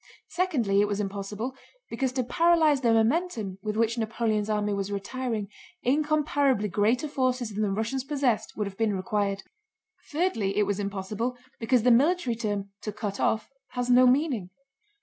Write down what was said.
Secondly it was impossible, because to paralyze the momentum with which Napoleon's army was retiring, incomparably greater forces than the Russians possessed would have been required. Thirdly it was impossible, because the military term "to cut off" has no meaning.